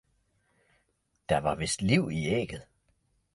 der var vist liv i ægget.